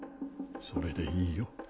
それでいいよ。